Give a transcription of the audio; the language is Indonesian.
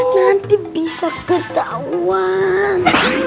nanti bisa ketahuan